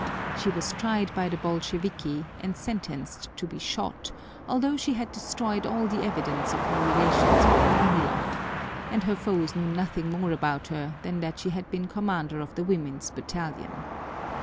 She was tried by the Bolsheviki and sentenced to be shot, although she had destroyed all the evidence of her relations with Kornilov, and her foes knew nothing more about her than that she had been commander of the woman's battalion.